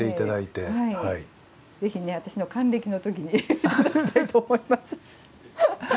ぜひね私の還暦の時に頂きたいと思います。